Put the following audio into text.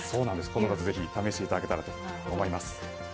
この夏ぜひ試していただければと思います。